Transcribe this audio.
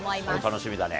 楽しみだね。